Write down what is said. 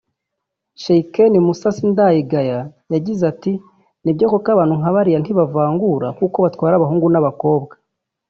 Sheikh Musa Sindayigaya yagize ati “Nibyo koko abantu nka bariya ntibavangura kuko batwara abahungu n’abakobwa